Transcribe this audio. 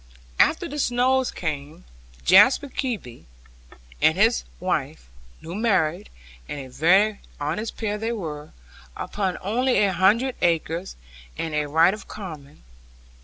After the Snowes came Jasper Kebby, with his wife, new married; and a very honest pair they were, upon only a hundred acres, and a right of common.